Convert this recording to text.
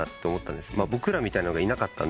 僕らみたいなのがいなかったんで。